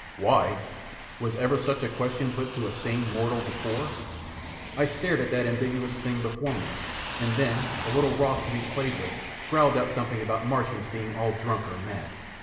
"Why?" Was ever such a question put to a sane mortal before? I stared at that ambiguous thing before me, and then, a little wroth to be played with, growled out something about Martians being all drunk or mad.